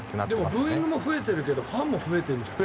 でもブーイングも増えてるけどファンも増えてるんじゃない？